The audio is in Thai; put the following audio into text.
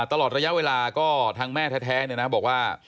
ตลอดระยะเวลาก็ทางแม่แท้บอกว่า